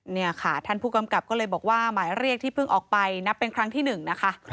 นี่ค่ะท่านผู้กำกับก็เลยบอกว่าหมายเรียกที่เพิ่งออกไปนับเป็นครั้งที่๑นะคะ